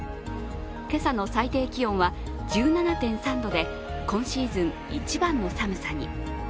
今朝の最低気温は、１７．３度で今シーズン一番の寒さに。